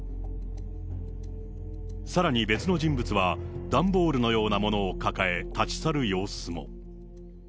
さらに別の人物は、段ボールのようなものを抱え、立ち去る様子も。